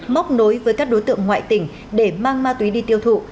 móc nối với các đối tượng ngoại tỉnh để mang ma túy đi tiêu thụ